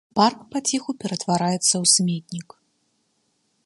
Парк паціху ператвараецца ў сметнік.